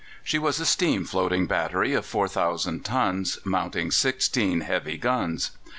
She was a steam floating battery of 4,000 tons, mounting sixteen heavy guns.